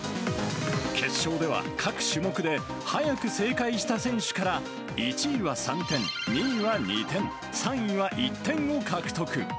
決勝では、各種目で速く正解した選手から１位は３点、２位は２点、３位は１点を獲得。